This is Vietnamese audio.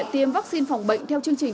tiêm vaccine phòng bệnh theo chương trình